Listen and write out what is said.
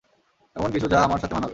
এমন কিছু যা আমার সাথে মানাবে।